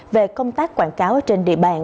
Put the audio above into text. về công tác quảng cáo trên địa bàn